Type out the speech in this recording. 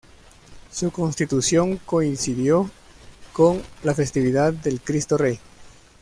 Su constitución coincidió con la festividad del Cristo Rey.